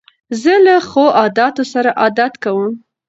زه له ښو عادتو سره عادت کوم.